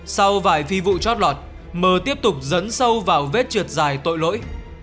sau vài phi vụ trót lọt m tiếp tục dẫn sâu vào vết trượt dài tội lỗi